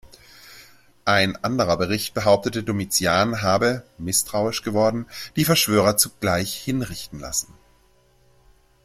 Ein anderer Bericht behauptet, Domitian habe, misstrauisch geworden, die Verschwörer zugleich hinrichten lassen wollen.